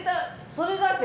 それだけ？